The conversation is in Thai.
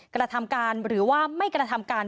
กระทำการหรือว่าไม่กระทำการ